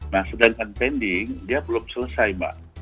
nah sedangkan pending dia belum selesai mbak